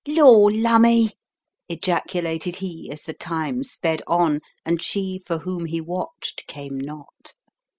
"Lor* Lumme," ejaculated he as the time sped on and she for whom he watched came not.